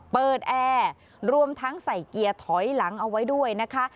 แอร์รวมทั้งใส่เกียร์ถอยหลังเอาไว้ด้วยนะคะ